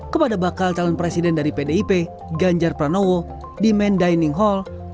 kepada bakal calon presiden dari pdip ganjar pranowo di main dining hall